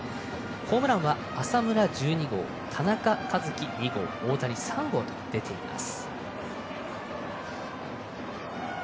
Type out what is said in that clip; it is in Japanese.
ホームランは浅村１２号田中和基２号太田に３号と出ています。